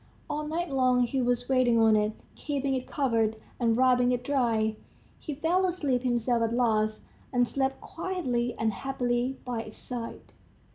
... All night long he was waiting on it, keeping it covered, and rubbing it dry. He fell asleep himself at last, and slept quietly and happily by its side.